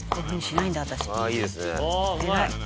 「ああいいですね」